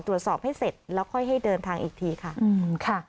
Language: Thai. ตรวจสอบให้เสร็จแล้วค่อยให้เดินทางอีกทีค่ะ